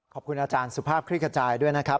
ขอบคุณอาจารย์สุภาพคลิกกระจายด้วยนะครับ